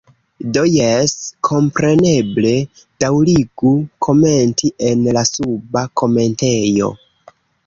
Do jes, kompreneble, daŭrigu komenti en la suba komentejo.